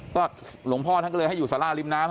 ก็หลวงพ่อท่านก็เลยให้อยู่สาราริมน้ำ